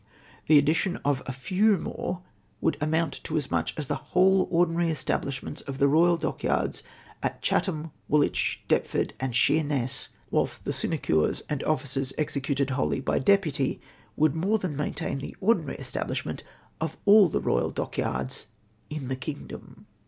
The addition of a few more would amount to as much as the whole ordinary establishments of the royal dockyards at Chatham, Woolwich, Deptford, and Sheerness ; whilst the sinecures and offices executed wholly by deputy 144 MV grandmotiiee\s rp:Nsiox. would more than maintain the ordinary establishment of all the royal dockyards in the kingdom